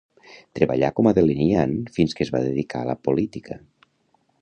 Treballà com a delineant fins que es va dedicar a la política.